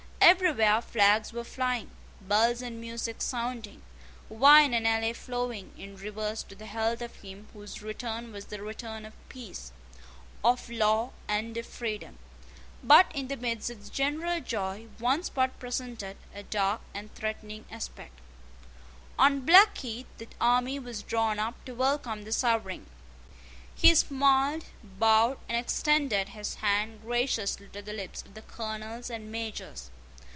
Everywhere flags were flying, bells and music sounding, wine and ale flowing in rivers to the health of him whose return was the return of peace, of law, and of freedom. But in the midst of the general joy, one spot presented a dark and threatening aspect. On Blackheath the army was drawn up to welcome the sovereign. He smiled, bowed, and extended his hand graciously to the lips of the colonels and majors.